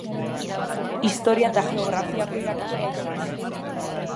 Historia eta geografiako irakaslea izan zen.